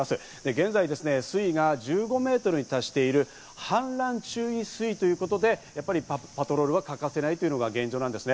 現在、水位が１５メートルに達している氾濫注意水位ということで、パトロールは欠かせないというのが現状です。